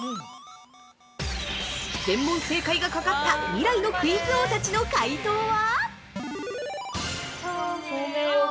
全問正解がかかった未来のクイズ王たちの解答は？